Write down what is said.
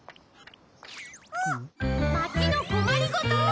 まちのこまりごとを！